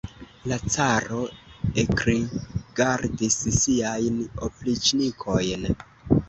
La caro ekrigardis siajn opriĉnikojn.